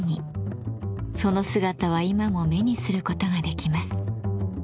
その姿は今も目にすることができます。